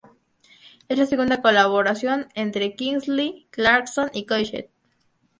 Es la segunda colaboración entre Kingsley, Clarkson y Coixet.